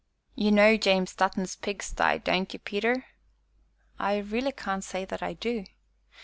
"You know James Dutton's pigsty, don't ye, Peter?" "I really can't say that I do."